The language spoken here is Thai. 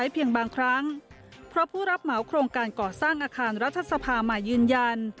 เพียงบางครั้งเพราะผู้รับเหมาโครงการก่อสร้างอาคารรัฐสภามายืนยัน